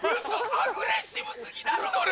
アグレッシブ過ぎだろそれ。